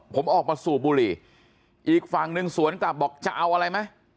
ผมออกมาสูบบุหรี่อีกฝั่งหนึ่งสวนกลับบอกจะเอาอะไรไหม